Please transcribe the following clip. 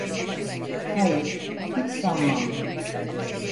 Hayır, hiç sanmam.